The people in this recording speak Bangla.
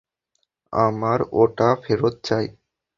আমার ওটা ফেরত চাই!